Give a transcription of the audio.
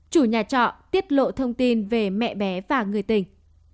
chủ nhà trọ tiết lộ thông tin về mẹ bé và người tình